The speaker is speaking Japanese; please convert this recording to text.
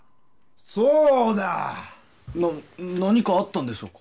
そうだ何かあったんでしょうか？